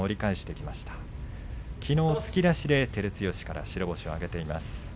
きのう、突き出して照強から白星を挙げています。